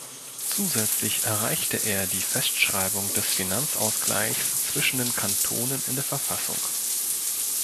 Zusätzlich erreichte er die Festschreibung des Finanzausgleichs zwischen den Kantonen in der Verfassung.